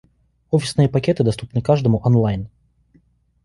Офисные пакеты доступны каждому онлайн.